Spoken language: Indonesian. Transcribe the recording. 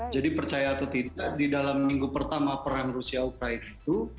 jadi percaya atau tidak di dalam minggu pertama perang rusia ukraina itu